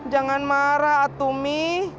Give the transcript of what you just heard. jangan marah atu mi